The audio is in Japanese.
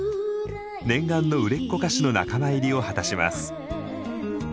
念願の売れっ子歌手の仲間入りを果たします。